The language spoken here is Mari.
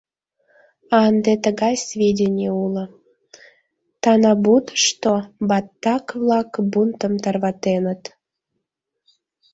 А ынде тыгай сведений уло: Танабатушто баттак-влак бунтым тарватеныт.